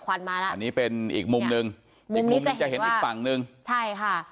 วันมาแล้วอันนี้เป็นอีกมุมหนึ่งอีกมุมหนึ่งจะเห็นอีกฝั่งหนึ่งใช่ค่ะ